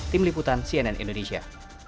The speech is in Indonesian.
tim liputan cnn indonesia